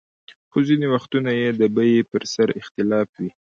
خو ځینې وختونه یې د بیې پر سر اختلاف وي.